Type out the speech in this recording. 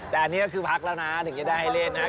แต่อันนี้ก็คือพักแล้วนะถึงจะได้ให้เล่นนะ